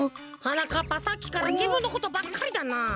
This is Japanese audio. はなかっぱさっきからじぶんのことばっかりだな。